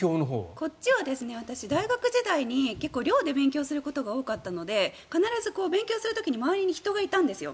こっちは大学時代に寮で勉強することが多かったので勉強する時に周りに人がいたんです。